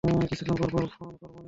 কিছুক্ষণ পরপর ফোন করবোনি।